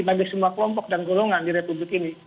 bagi semua kelompok dan golongan di republik ini